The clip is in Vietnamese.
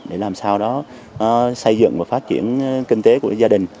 để làm sao đó xây dựng và phát triển kinh tế của gia đình